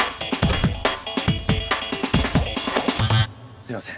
すいません。